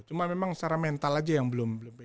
cuma memang secara mental aja yang belum lebih